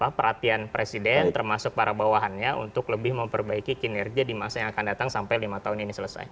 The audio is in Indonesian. jadi perhatian presiden termasuk para bawahannya untuk lebih memperbaiki kinerja di masa yang akan datang sampai lima tahun ini selesai